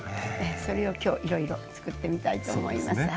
それを今日いろいろつくってみたいと思います。